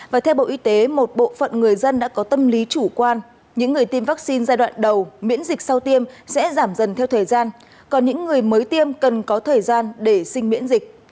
và theo bộ y tế một bộ phận người dân đã có tâm lý chủ quan những người tiêm vaccine giai đoạn đầu miễn dịch sau tiêm sẽ giảm dần theo thời gian còn những người mới tiêm cần có thời gian để sinh miễn dịch